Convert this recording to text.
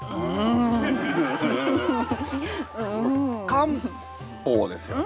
漢方ですよね？